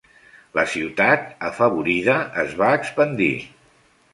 La ciutat, afavorida, es va expandir.